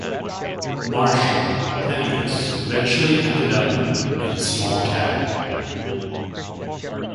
Marshall, penniless, eventually ended up in a small cabin.